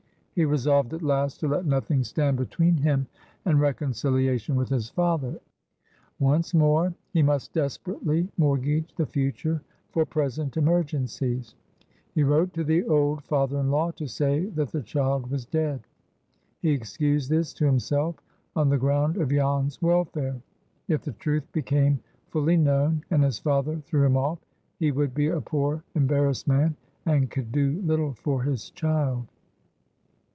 He resolved, at last, to let nothing stand between him and reconciliation with his father. Once more he must desperately mortgage the future for present emergencies. He wrote to the old father in law to say that the child was dead. He excused this to himself on the ground of Jan's welfare. If the truth became fully known, and his father threw him off, he would be a poor embarrassed man, and could do little for his child.